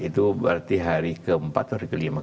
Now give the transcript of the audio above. itu berarti hari keempat atau hari kelima